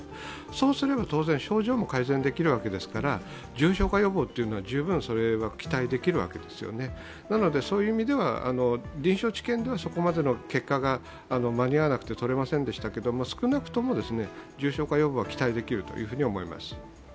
そうすれば当然、症状も改善できるわけですから重症化予防は十分、期待できるわけですよねなのでそういう意味では臨床治験ではそこまでの結果が間に合わなくて取れませんでしたけど、少なくとも重症化予防は期待できると思います。